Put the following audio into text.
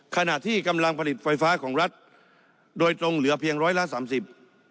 ขณะที่กำลังผลิตไฟฟ้าของรัฐโดยตรงเหลือเพียงร้อยละสามสิบ